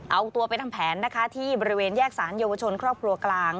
เอาตัวไปทำแผนนะคะที่บริเวณแยกสารเยาวชนครอบครัวกลาง